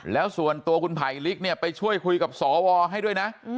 แล้วส่วนตัวคุณไผลลิกเนี่ยไปช่วยคุยกับสวให้ด้วยนะ